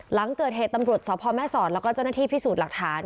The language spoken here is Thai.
หลังเกิดเหตุตำรวจสพแม่สอดแล้วก็เจ้าหน้าที่พิสูจน์หลักฐาน